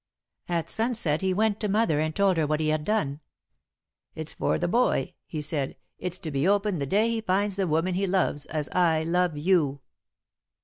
At sunset he went to Mother, and told her what he had done. 'It's for the boy,' he said. 'It's to be opened the day he finds the woman he loves as I love you.'"